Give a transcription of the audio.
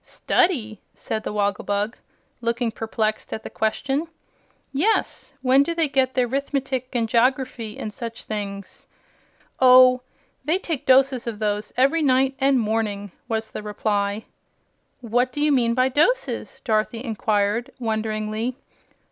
"Study?" said the Wogglebug, looking perplexed at the question. "Yes; when do they get their 'rithmetic, and jogerfy, and such things?" "Oh, they take doses of those every night and morning," was the reply. "What do you mean by doses?" Dorothy inquired, wonderingly.